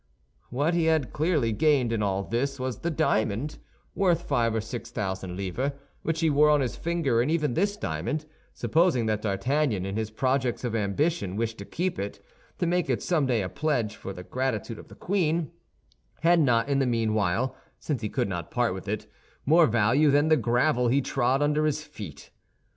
What he had clearly gained in all this was the diamond, worth five or six thousand livres, which he wore on his finger; and even this diamond—supposing that D'Artagnan, in his projects of ambition, wished to keep it, to make it someday a pledge for the gratitude of the queen—had not in the meanwhile, since he could not part with it, more value than the gravel he trod under his feet.